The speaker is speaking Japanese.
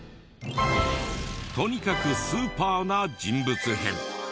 とにかくスーパーな人物編。